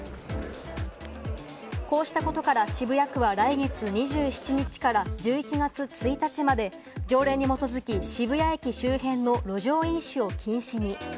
こうしたことから渋谷区は来月２７日から１１月１日まで、条例に基づき、渋谷駅周辺の路上飲酒を禁止に。